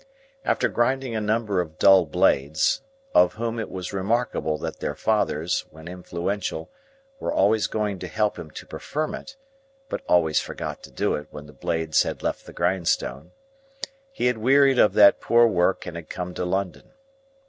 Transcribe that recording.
After grinding a number of dull blades,—of whom it was remarkable that their fathers, when influential, were always going to help him to preferment, but always forgot to do it when the blades had left the Grindstone,—he had wearied of that poor work and had come to London.